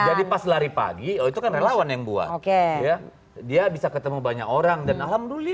jadi pacari pagi ituatto kanlever nangguan oke hayat dia bisa ketemu banyak orang dengan lumi